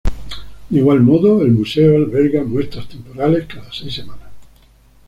De igual modo, el museo alberga muestras temporales cada seis semanas.